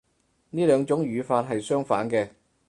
呢兩種語法係相反嘅